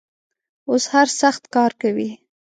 اوس هر سخت کار کوي.